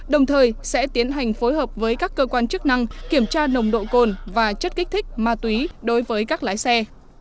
đồng thời sẽ tiến hành phối hợp với các cơ quan chức năng kiểm tra nồng độ cồn và chất kích thích ma túy đối với các lái xe